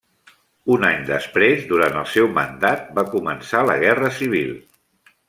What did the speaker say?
Un any després, durant el seu mandat, va començar la Guerra Civil.